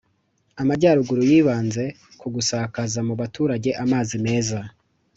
Amajyaruguru yibanze ku gusakaza mu baturage amazi meza